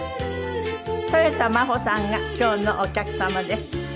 とよた真帆さんが今日のお客様です。